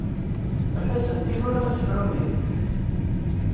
Fell-asent i turam asefru-nni?